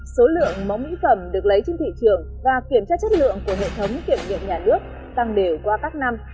số lượng mẫu mỹ phẩm được lấy trên thị trường và kiểm tra chất lượng của hệ thống kiểm nghiệm nhà nước tăng đều qua các năm